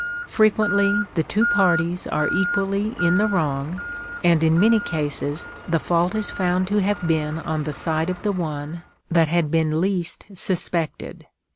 Frequently the two parties are equally in the wrong ; and in many cases the fault is found to have been on the side of the one that had been least suspected."